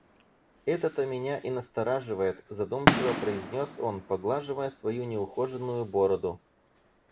«Это-то меня и настораживает», — задумчиво произнес он, поглаживая свою неухоженную бороду.